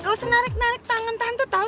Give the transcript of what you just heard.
gak usah narik narik tangan tante tau